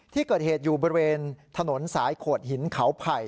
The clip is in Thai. ที่เกิดเหตุอยู่บริเวณถนนสายโขดหินเขาไผ่